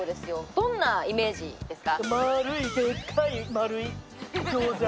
どんなイメージですか。